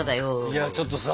いやちょっとさ